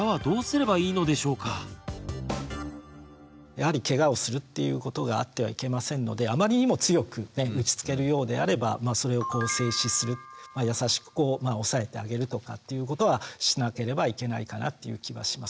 やはりケガをするっていうことがあってはいけませんのであまりにも強く打ちつけるようであればとかっていうことはしなければいけないかなっていう気はします。